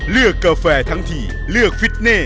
กาแฟทั้งทีเลือกฟิตเน่